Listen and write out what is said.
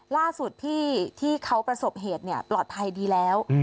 ล่าสุดที่เขาประสบเหตุปลอดภัยดีแล้ว